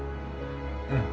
うん。